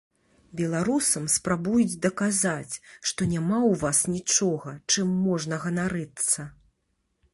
Беларусам спрабуюць даказаць, што няма ў вас нічога, чым можна ганарыцца.